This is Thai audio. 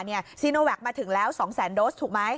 ซีโนแวคมาถึงแล้ว๒แสนโดสถูกไหม